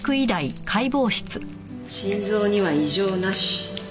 心臓には異常なし。